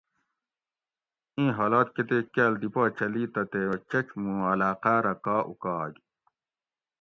اِین حالات کتیک کاۤل دی پا چلی تہ تے چچ مُوں علاقاۤ رہ کا اُکاگ